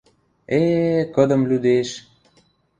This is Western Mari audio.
– Э-э, кыдым лӱдеш...